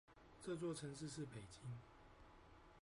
這座城市是北京